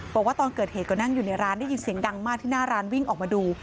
บอกว่าตอนเกิดเหตุก็นั่งอยู่ในร้านได้ยินเสียงดังมากที่หน้าร้านวิ่งออกมาดู